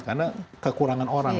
karena kekurangan orang